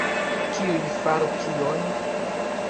Kiuj faru kion?